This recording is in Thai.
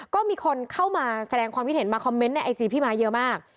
ก็มีคนเข้ามาแสดงความคิดเห็นมาคอมเมนต์ในไอจีพี่ม้าเยอะมาก